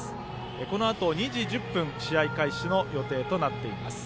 このあと２時１０分試合開始の予定となっています。